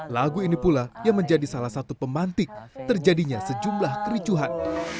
lagu ini pula yang menjadi salah satu pemantik terjadinya sejumlah kericuhan